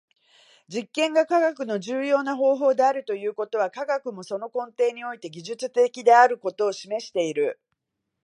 実験が科学の重要な方法であるということは、科学もその根底において技術的であることを示している。